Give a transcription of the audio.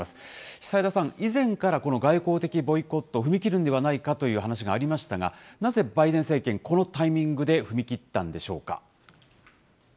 久枝さん、以前からこの外交的ボイコット、踏み切るんではないかという話がありましたが、なぜバイデン政権、このタイミングで踏み切ったんでしょうか。